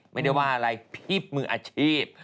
ไม่ได้ว่าอะไรพี่มืออาชีพ